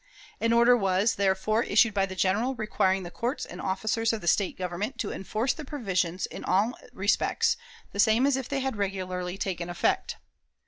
An order was, therefore, issued by the General requiring the courts and officers of the State government to enforce the provisions, in all respects, the same as if they had regularly taken effect.